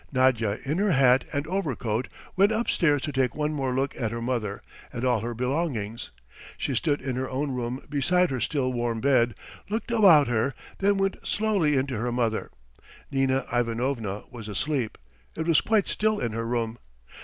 Nadya in her hat and overcoat went upstairs to take one more look at her mother, at all her belongings. She stood in her own room beside her still warm bed, looked about her, then went slowly in to her mother. Nina Ivanovna was asleep; it was quite still in her room.